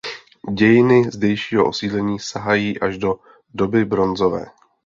Dějiny zdejšího osídlení sahají až do doby bronzové.